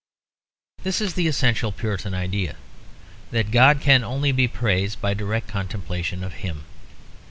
This is the essential Puritan idea, that God can only be praised by direct contemplation of Him.